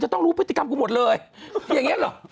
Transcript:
ต้องรู้พฤติกรรมกูหมดเลยอย่างนี้เหรอ